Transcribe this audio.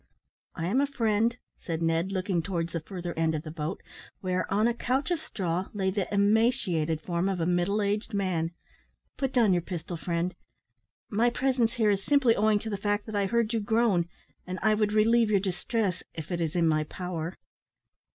"I am a friend," said Ned, looking towards the further end of the boat, where, on a couch of straw, lay the emaciated form of a middle aged man. "Put down your pistol, friend; my presence here is simply owing to the fact that I heard you groan, and I would relieve your distress, if it is in my power."